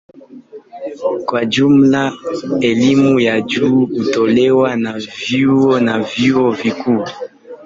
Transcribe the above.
Kwa jumla elimu ya juu hutolewa na vyuo na vyuo vikuu.